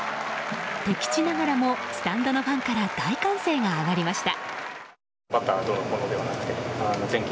敵地ながらもスタンドのファンから大歓声が上がりました。